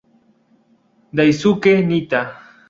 Daisuke Nitta